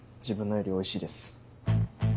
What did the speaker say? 自分のよりおいしいです。